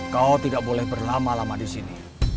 kau tidak boleh berlama lama di sini